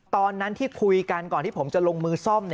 ตอนนั้นที่คุยกันก่อนที่ผมจะลงมือซ่อม